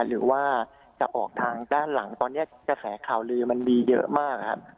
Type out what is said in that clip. หรือว่าจะออกทางด้านหลังตอนนี้กระแสข่าวลือมันมีเยอะมากครับ